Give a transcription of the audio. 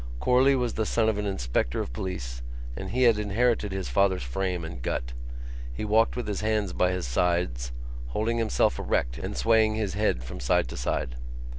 Corley was the son of an inspector of police and he had inherited his father's frame and gait. He walked with his hands by his sides, holding himself erect and swaying his head from side to side.